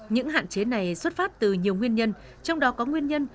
những hạn chế này xuất phát từ nhiều nguyên nhân trong đó có nguyên nhân